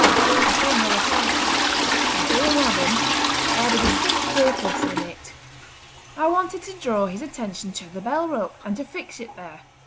Dr. Thornhill replied: "My dear madam, I had a distinct purpose in it! I wanted to draw his attention to the bell rope, and to fix it there.